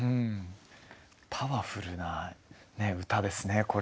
パワフルな歌ですねこれは。